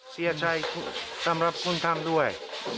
เสียใจสำหรับคนทำด้วย